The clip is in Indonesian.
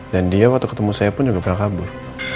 dan dia waktu ketemu saya pun juga pernah kabur